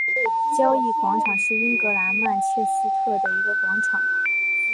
交易广场是英格兰曼彻斯特的一个广场。